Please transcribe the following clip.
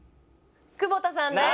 久保田さんです。